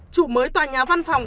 chủ mới tòa nhà văn phòng